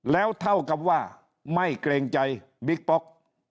แล้วเท่ากับว่าไม่เกรงใจบิ๊กป๊อก